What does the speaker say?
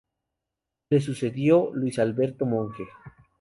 Le sucedió Luis Alberto Monge.